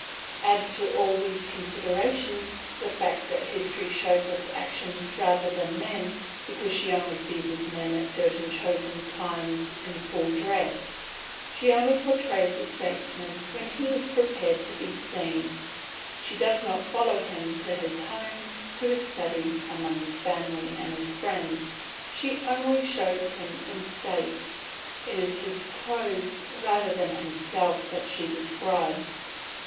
Add to all these considerations the fact that history shows us actions rather than men, because she only seizes men at certain chosen times in full dress; she only portrays the statesman when he is prepared to be seen; she does not follow him to his home, to his study, among his family and his friends; she only shows him in state; it is his clothes rather than himself that she describes.